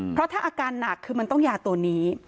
เพราะถ้าอาการหนักคือมันต้องยาตัวนี้